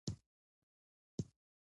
شفاف چلند د سم مدیریت نښه ده.